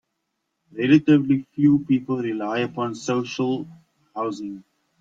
Relatively few people rely upon social housing.